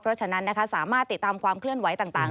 เพราะฉะนั้นสามารถติดตามความเคลื่อนไหวต่าง